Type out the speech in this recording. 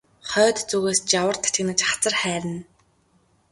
Хойд зүгээс жавар тачигнаж хацар хайрна.